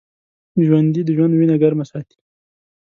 ژوندي د ژوند وینه ګرمه ساتي